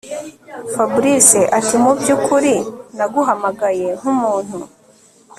Fabric atimubyukuri naguhamagaye nkumuntu